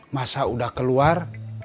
masa udah keluar